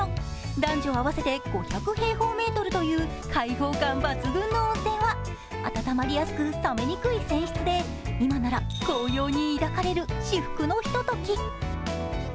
男女合わせて５００平方メートルという開放感抜群の温泉は温まりやすく冷めにくい泉質で今なら、紅葉に抱かれる至福のひととき。